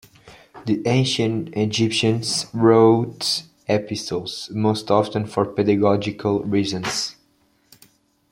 The ancient Egyptians wrote epistles, most often for pedagogical reasons.